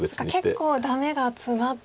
結構ダメがツマってますか。